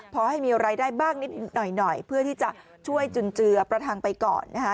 พอให้มีรายได้บ้างนิดหน่อยเพื่อที่จะช่วยจุนเจือประทังไปก่อนนะคะ